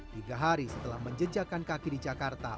tiga hari setelah menjejakan kaki di jakarta